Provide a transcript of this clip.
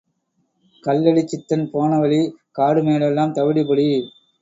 கல்லடிச் சித்தன் போனவழி, காடுமேடெல்லாம் தவிடுபொடி.